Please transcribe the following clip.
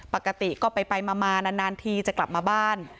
ปกติก็ไปมานานทีจะกลับมาบ้าน